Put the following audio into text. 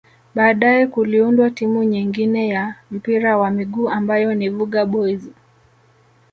Baadae kuliundwa timu nyengine ya mpira wa miguu ambayo ni Vuga Boys